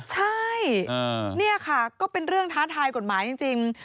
ใช่นี่ค่ะก็เป็นเรื่องท้าทายกฎหมายจริง